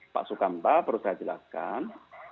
pak sukamta perlu saya jelaskan